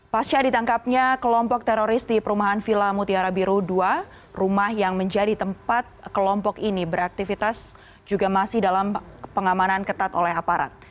pasca ditangkapnya kelompok teroris di perumahan villa mutiara biru dua rumah yang menjadi tempat kelompok ini beraktivitas juga masih dalam pengamanan ketat oleh aparat